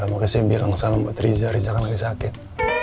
makasih dia bilang salam buat riza riza kan lagi sakit